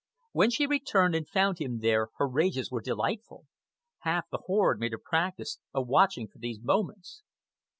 When she returned and found him there her rages were delightful. Half the horde made a practice of watching for these moments.